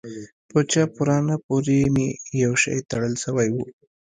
په چپ ورانه پورې مې يو شى تړل سوى و.